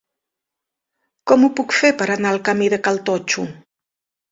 Com ho puc fer per anar al camí de Cal Totxo?